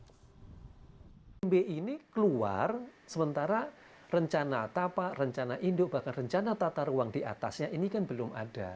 imb ini keluar sementara rencana tapak rencana induk bahkan rencana tata ruang diatasnya ini kan belum ada